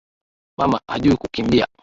Mama hajui kukimbia